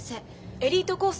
エリートコース